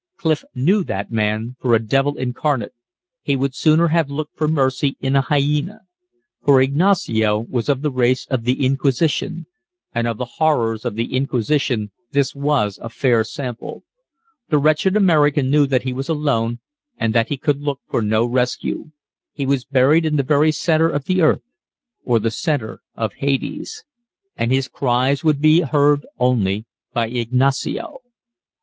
Clif knew that man for a devil incarnate. He would sooner have looked for mercy in a hyena. For Ignacio was of the race of the Inquisition; and of the horrors of the Inquisition this was a fair sample. The wretched American knew that he was alone and that he could look for no rescue. He was buried in the very centre of the earth or the centre of hades. And his cries would be heard only by Ignacio.